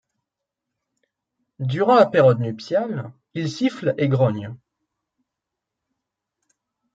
Durant la période nuptiale, ils sifflent et grognent.